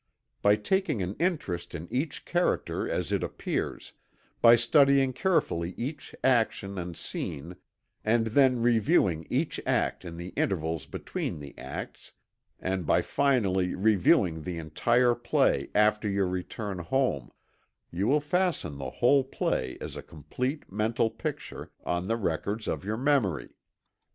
By taking an interest in each character as it appears; by studying carefully each action and scene, and then reviewing each act in the intervals between the acts; and by finally reviewing the entire play after your return home; you will fasten the whole play as a complete mental picture, on the records of your memory.